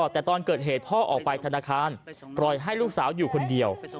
แต่ตอนเกิดเหตุพ่อออกไปธนาคารปล่อยให้ลูกสาวอยู่คนเดียว